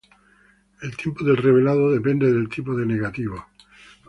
El tiempo del revelado depende del tipo de negativo.